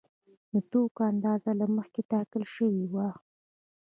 د توکو اندازه له مخکې ټاکل شوې وه